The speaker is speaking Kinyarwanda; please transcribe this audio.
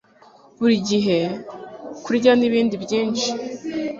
burigihe kurya, nibindi byinshi